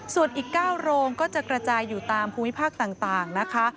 ส่วนอีก๙โรงก็จะกระจายอยู่ตามภูมิภาคต่างนะคะ